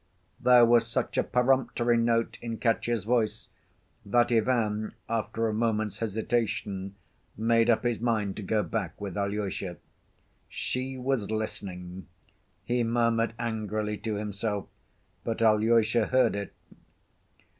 There was such a peremptory note in Katya's voice that Ivan, after a moment's hesitation, made up his mind to go back with Alyosha. "She was listening," he murmured angrily to himself, but Alyosha heard it.